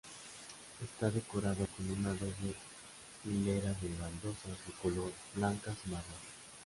Está decorado con una doble hilera de baldosas bicolor blancas y marrones.